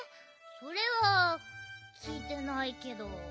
それはきいてないけど。